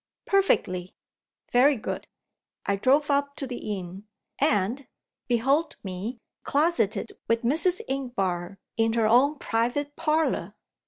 "Perfectly!" "Very good. I drove up to the inn; and behold me closeted with Mrs. Inchbare in her own private parlor!